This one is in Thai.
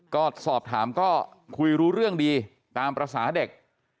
ก็สอบถามก็คุยรู้เรื่องดีตามภาษาเด็ก